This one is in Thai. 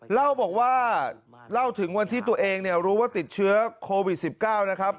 เล่าบอกว่าเล่าถึงวันที่ตัวเองรู้ว่าติดเชื้อโควิด๑๙นะครับ